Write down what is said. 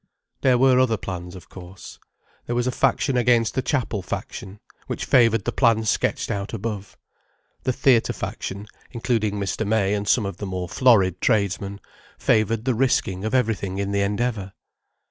There were other plans, of course. There was a faction against the chapel faction, which favoured the plan sketched out above. The theatre faction, including Mr. May and some of the more florid tradesmen, favoured the risking of everything in the Endeavour.